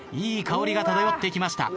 いい香りが漂ってきました。